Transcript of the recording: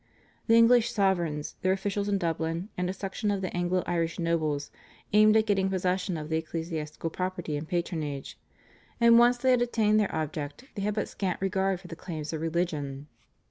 The English sovereigns, their officials in Dublin, and a section of the Anglo Irish nobles aimed at getting possession of the ecclesiastical property and patronage, and once they had attained their object they had but scant regard for the claims of religion.